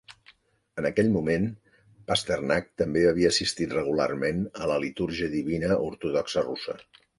En aquell moment, Pasternak també havia assistit regularment a la litúrgia divina ortodoxa russa.